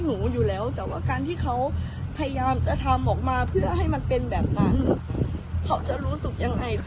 หนูอยู่แล้วแต่ว่าการที่เขาพยายามจะทำออกมาเพื่อให้มันเป็นแบบนั้นเขาจะรู้สึกยังไง